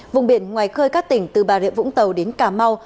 vùng biển ngoài khơi các tỉnh từ bà rịa vũng tàu đến cà mau